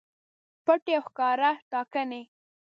پټې او ښکاره ټاکنې